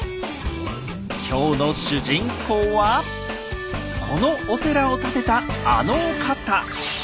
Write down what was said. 今日の主人公はこのお寺を建てたあのお方。